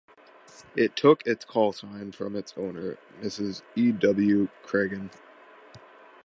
It took its callsign from its owner, Mrs. E. W. Cragin.